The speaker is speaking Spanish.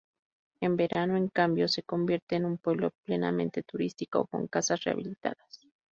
En verano en cambio, se convierte en un pueblo plenamente turístico, con casas rehabilitadas.